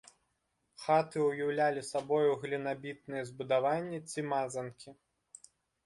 Хаты ўяўлялі сабою глінабітныя збудаванні ці мазанкі.